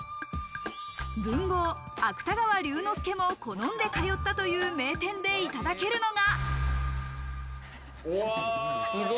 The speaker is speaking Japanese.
文豪・芥川龍之介も好んで通ったという名店でいただけるのが。